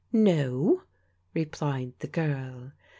*'No," replied the girl.